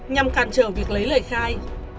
nhằm cản trở việc lấy lời khai